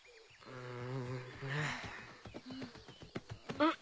うん。